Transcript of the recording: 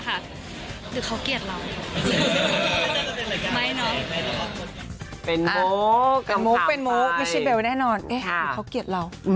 หรือเขาเกลียดเรา